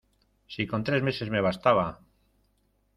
¡ si con tres meses me bastaba!